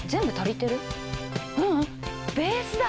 ううんベースだ！